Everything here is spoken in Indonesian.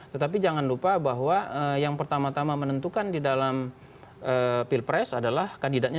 tetapi jangan lupa bahwa yang pertama tama menentukan di dalam pilpres adalah kandidatnya